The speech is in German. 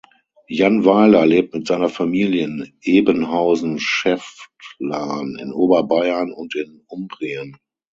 Jan Weiler lebt mit seiner Familie in Ebenhausen-Schäftlarn in Oberbayern und in Umbrien.